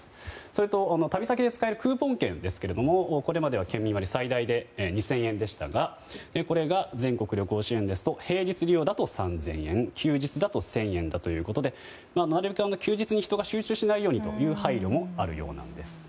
それと旅先で使えるクーポン券ですけれどもこれまでは県民割最大で２０００円でしたがこれが全国旅行支援ですと平日利用だと３０００円休日だと１０００円ということでなるべく休日に人が集中しないようにという配慮もあるようなんです。